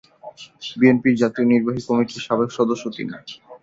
বিএনপির জাতীয় নির্বাহী কমিটির সাবেক সদস্য তিনি।